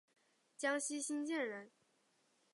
江西新建人。